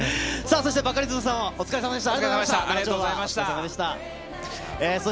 そしてバカリズムさん、お疲れさまでした。